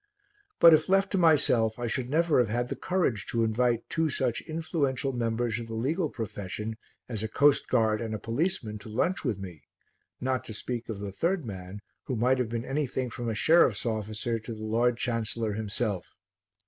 But if left to myself, I should never have had the courage to invite two such influential members of the legal profession as a coastguard and a policeman to lunch with me, not to speak of the third man who might have been anything from a sheriff's officer to the Lord Chancellor himself.